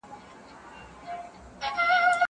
زه سندري اورېدلي دي!